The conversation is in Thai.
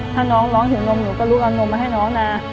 ถ้าน้องร้องหิวนมหนูก็ลุกเอานมมาให้น้องนะ